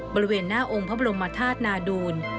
บริเวณหน้าองค์พระบรมธาตุนาดูล